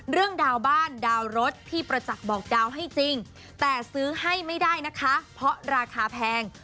ดาวบ้านดาวรถพี่ประจักษ์บอกดาวให้จริงแต่ซื้อให้ไม่ได้นะคะเพราะราคาแพง